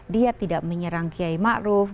dia tidak menyerang kiai maruf